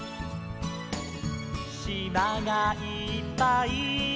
「しまがいっぱい」